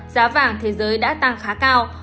giá vàng thế giới đã tăng khá cao